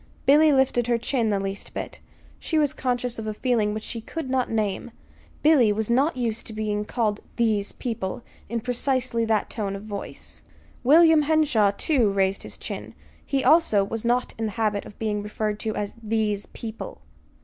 Billy lifted her chin the least bit. She was conscious of a feeling which she could not name: Billy was not used to being called "these people" in precisely that tone of voice. William Henshaw, too, raised his chin. He, also, was not in the habit of being referred to as "these people."